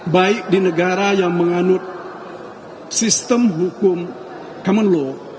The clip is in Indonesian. baik di negara yang menganut sistem hukum common law